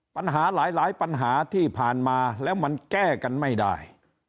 ปัญหาหลายปัญหาที่ผ่านมาแล้วมันแก้กันไม่ได้